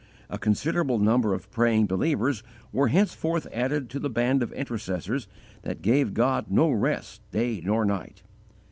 A considerable number of praying believers were henceforth added to the band of intercessors that gave God no rest day nor night.